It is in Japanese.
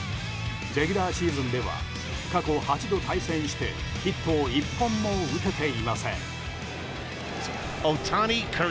レギュラーシーズンでは過去８度対戦してヒットを１本も打てていません。